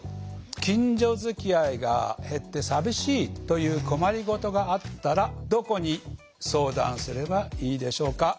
「近所づきあいが減ってさびしい」という困りごとがあったらどこに相談すればいいでしょうか？